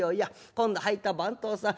今度入った番頭さん